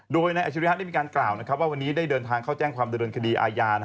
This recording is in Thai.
โดยนายอาชิริยะได้มีการกล่าวว่าวันนี้ได้เดินทางเข้าแจ้งความดำเนินคดีอาญา